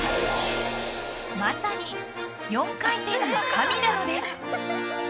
まさに４回転の神なのです。